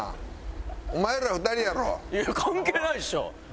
いや関係ないでしょ！